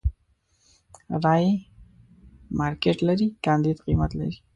رايې مارکېټ لري، کانديد قيمت لري.